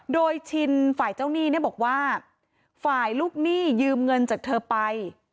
โดยชินฝ่ายเจ้าหนี้เนี่ยบอกว่าฝ่ายลูกหนี้ยืมเงินจากเธอไป